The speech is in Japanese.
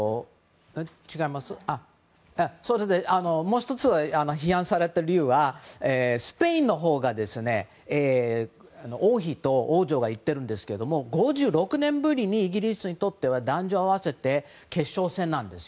もう１つ批判されている理由はスペインのほうが王妃と王女が行ってるんですけど５６年ぶりにイギリスにとっては男女合わせて決勝戦なんです。